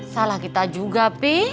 salah kita juga bi